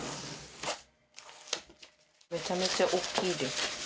めちゃめちゃ大きいです。